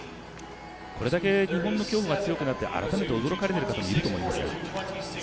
これだけ日本の競歩が強くなって改めて驚かれている方もいるかと思います。